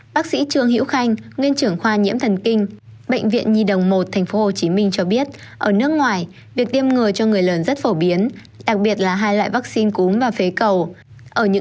bác sĩ trương hữu khanh nguyên trưởng khoa nhiễm thần kinh bệnh viện nhi đồng một tp hcm cho biết ở nước ngoài việc tiêm ngừa cho người lớn rất phổ biến đặc biệt là hai loại vaccine cúm và phế cầu